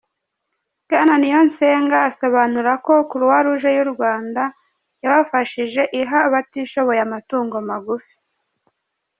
Bwana Niyonsenga asobanura ko Croix-Rouge y’u Rwanda yabafashije iha abatishoboye amatungo magufi.